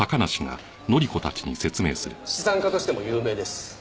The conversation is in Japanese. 資産家としても有名です。